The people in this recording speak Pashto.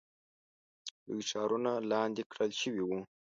لوی ښارونه لاندې کړل شوي وو.